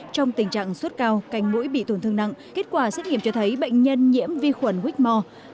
trong tình trạng suốt cao cành mũi bị tổn thương nặng kết quả xét nghiệm cho thấy bệnh nhân nhiễm vi khuẩn whitmore